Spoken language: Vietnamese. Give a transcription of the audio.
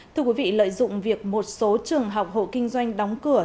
thưa quý vị lợi dụng việc một số trường học hộ kinh doanh đóng cửa